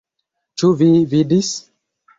Ĉu vi vidis?